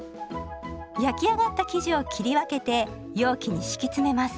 焼き上がった生地を切り分けて容器に敷き詰めます。